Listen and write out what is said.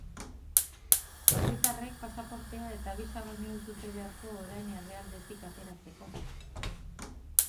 Herritarrek pasaportea eta bisa baino ez dute beharko orain herrialdetik ateratzeko.